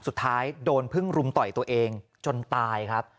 สุดท้ายโดนพึ่งรุมต่อยตัวเองจนตายครับ